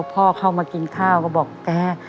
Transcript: พ่อเข้ามากินข้าวก็บอกแก